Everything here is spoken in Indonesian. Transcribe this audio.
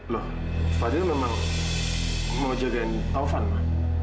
loh fadil memang mau jagain taufan ma